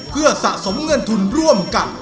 เพื่อสะสมเงินทุนร่วมกัน